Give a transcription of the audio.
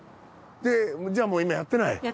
でじゃあもう今やってない？